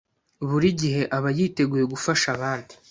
Buri gihe aba yiteguye gufasha abandi.